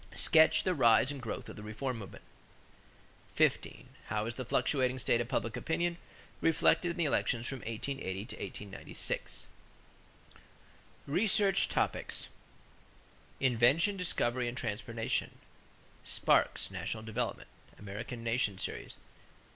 Sketch the rise and growth of the reform movement. 15. How is the fluctuating state of public opinion reflected in the elections from 1880 to 1896? =Research Topics= =Invention, Discovery, and Transportation.= Sparks, National Development (American Nation Series), pp.